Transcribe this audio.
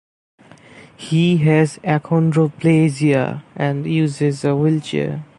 He has achondroplasia and uses a wheelchair.